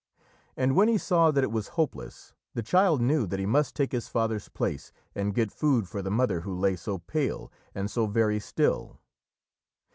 And when he saw that it was hopeless, the child knew that he must take his father's place and get food for the mother who lay so pale, and so very still.